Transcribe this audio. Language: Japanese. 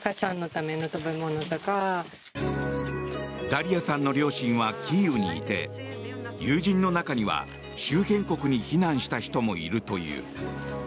ダリアさんの両親はキーウにいて友人の中には周辺国に避難した人もいるという。